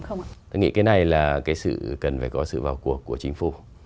tôi nghĩ cái này là cái sự cần phải có sự vào cuộc của chính phủ